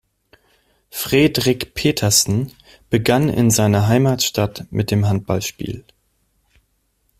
Fredrik Petersen begann in seiner Heimatstadt mit dem Handballspiel.